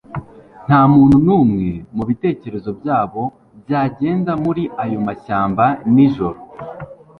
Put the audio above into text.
Ntamuntu numwe mubitekerezo byabo byagenda muri ayo mashyamba nijoro.